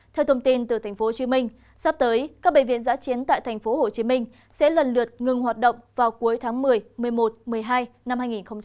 theo thông tin từ tp hcm sắp tới các bệnh viện giã chiến tại tp hcm sẽ lần lượt ngừng hoạt động vào cuối tháng một mươi một mươi một một mươi hai năm hai nghìn hai mươi